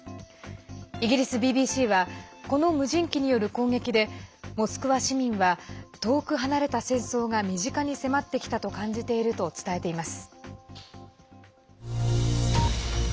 イギリスＢＢＣはこの無人機による攻撃でモスクワ市民は遠く離れた戦争が身近に迫ってきたと感じていると伝えています。